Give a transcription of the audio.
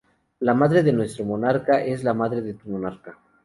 La madre de nuestro monarca es la madre de tu monarca.